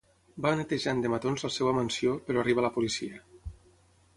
Va netejant de matons la seva mansió, però arriba la policia.